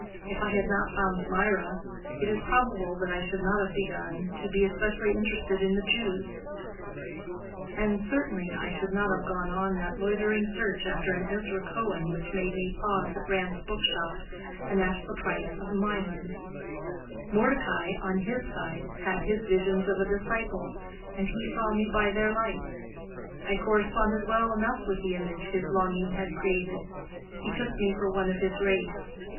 If I had not found Mirah, it is probable that I should not have begun to be specially interested in the Jews, and certainly I should not have gone on that loitering search after an Ezra Cohen which made me pause at Ram's book shop and ask the price of Maimon. Mordecai, on his side, had his visions of a disciple, and he saw me by their light; I corresponded well enough with the image his longing had created. He took me for one of his race.